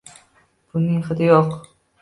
pulning hidi yo'q